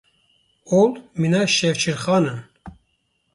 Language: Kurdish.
Ol mîna şevçiraxan in.